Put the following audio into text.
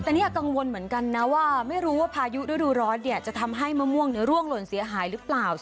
แต่นี่กังวลเหมือนกันนะว่าไม่รู้ว่าพายุฤดูร้อนจะทำให้มะม่วงร่วงหล่นเสียหายหรือเปล่า